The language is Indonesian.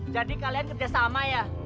jadi kalian kerjasama ya